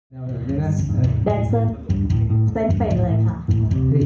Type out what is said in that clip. แดนเซอร์เส้นเป๊ะเลยค่ะ